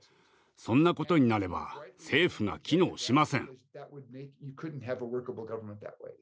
そんなことになれば政府が機能しません。